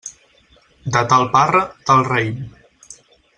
De tal parra, tal raïm.